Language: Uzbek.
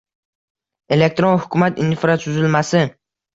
Elektron hukumat infratuzilmasi: